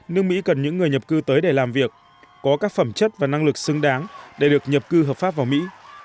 nước mỹ cần những người nhập cư tới để làm việc có các phẩm chất và năng lực xứng đáng để được nhập cư hợp pháp vào mỹ